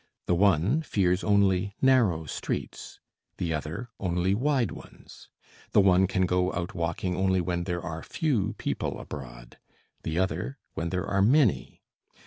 The one fears only narrow streets, the other only wide ones, the one can go out walking only when there are few people abroad, the other when there are many.